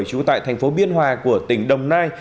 trú tại thành phố biên hòa của tỉnh đồng nai